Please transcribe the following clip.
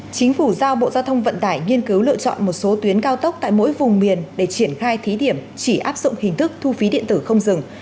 chính phủ giao bộ giao thông vận tải nghiên cứu lựa chọn một số tuyến cao tốc tại mỗi vùng miền để triển khai thí điểm chỉ áp dụng hình thức thu phí điện tử không dừng